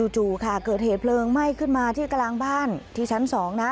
จู่ค่ะเกิดเหตุเพลิงไหม้ขึ้นมาที่กลางบ้านที่ชั้น๒นะ